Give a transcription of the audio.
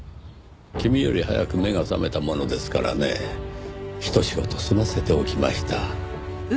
君より早く目が覚めたものですからねぇひと仕事済ませておきました。